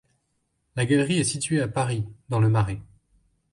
La galerie est située à Paris dans Le Marais.